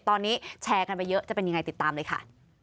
ตอนนี้แชร์กันไปเยอะจะเป็นยังไงติดตามเลยค่ะ